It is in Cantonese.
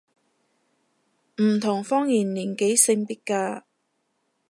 唔同方言年紀性別嘅